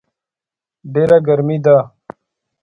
ډېره ګرمي ده